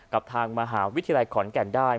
กับทางมหาวิทยาลัยขอนแก่นได้